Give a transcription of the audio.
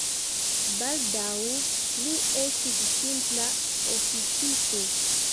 Baldaŭ li estis simpla oficisto.